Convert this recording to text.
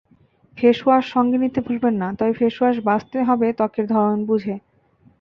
Face wash সঙ্গে নিতে ভুলবেন না, তবে ফেসওয়াশ বাছতে হবে ত্বকের ধরন বুঝে।